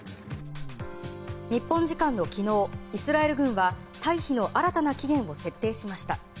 日本時間の昨日、イスラエル軍は退避の新たな期限を設定しました。